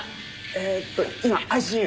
えーっと今ＩＣＵ。